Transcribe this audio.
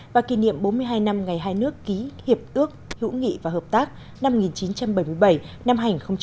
và kỷ niệm bốn mươi hai năm ngày hai nước ký hiệp ước hữu nghị và hợp tác năm một nghìn chín trăm bảy mươi bảy hai nghìn một mươi chín